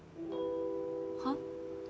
はっ？